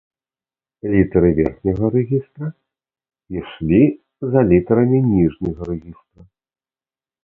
Літары верхняга рэгістра ішлі за літарамі ніжняга рэгістра.